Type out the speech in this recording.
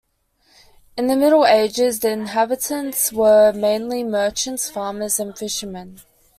In the Middle Ages, the inhabitants were mainly merchants, farmers and fishermen.